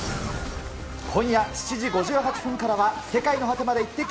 今夜７時５８分からは、世界の果てまでイッテＱ！